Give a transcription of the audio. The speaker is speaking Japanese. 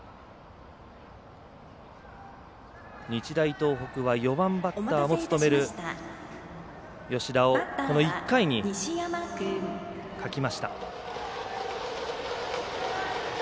日大東北は４番バッターも務める吉田をこの１回に欠きました。